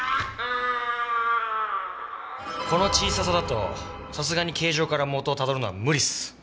この小ささだとさすがに形状からもとをたどるのは無理っす。